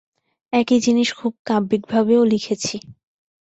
একই জিনিস খুব কাব্যিকভাবেও লিখেছি।